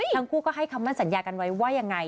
ทั้งคู่ก็ให้คำมั่นสัญญากันไว้ว่ายังไง